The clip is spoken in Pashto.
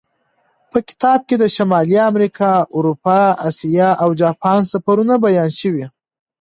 په کتاب کې د شمالي امریکا، اروپا، اسیا او جاپان سفرونه بیان شوي.